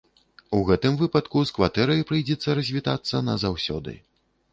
У гэтым выпадку з кватэрай прыйдзецца развітацца назаўсёды.